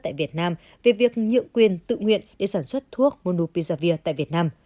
tại việt nam về việc nhượng quyền tự nguyện để sản xuất thuốc monopizavir tại việt nam